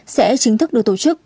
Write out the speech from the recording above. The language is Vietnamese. sẽ chính thức được tổ chức